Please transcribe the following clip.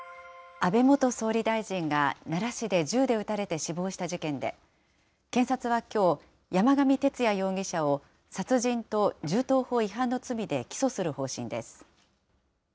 安倍元総理大臣が奈良市で銃で撃たれて死亡した事件で、検察はきょう、山上徹也容疑者を、殺人と銃刀法違反の罪で起訴する方針です。